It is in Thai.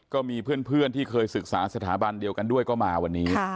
ก็มีเพื่อนที่เคยศึกษาสถาบันเดียวกันด้วยก็มาวันนี้